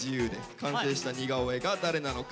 完成した似顔絵が誰なのか